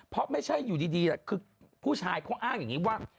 เพราะไม่ใช่อยู่ดีคือผู้ชายเขาอ้างอย่างนี้ว่า